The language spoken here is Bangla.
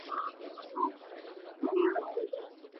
আমি আশার আলো দেখতে পেলাম।